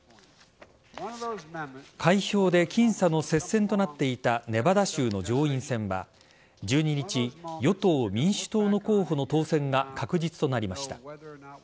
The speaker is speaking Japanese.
開票で僅差の接戦となっていたネバダ州の上院選は１２日、与党・民主党の候補の当選が確実となりました。